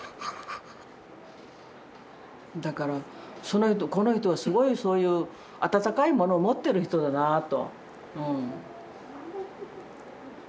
だからこの人すごいそういう温かいもの持ってる人だなと。うん。